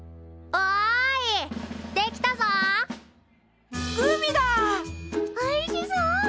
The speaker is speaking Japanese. おいしそう！